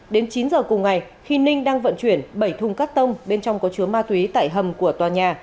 đến chín giờ cùng ngày khi ninh đang vận chuyển bảy thùng cắt tông bên trong có chứa ma túy tại hầm của tòa nhà